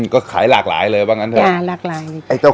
ก็ขายหลากหลายเลยบางอันเท่าห์